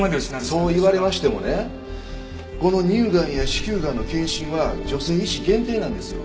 そう言われましてもねこの乳がんや子宮がんの検診は女性医師限定なんですよ。